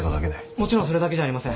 もちろんそれだけじゃありません。